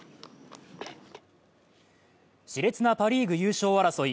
し烈なパ・リーグ優勝争い。